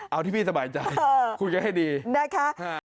เอาที่พี่สบายใจคุยกันให้ดีนะคะ